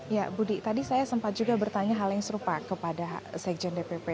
ya budi tadi saya sempat juga bertanya hal yang serupa kepada sekjen dpp